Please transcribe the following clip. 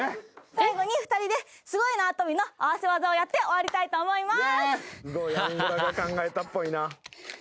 最後に２人ですごい縄跳びの合わせ技をやって終わりたいと思います。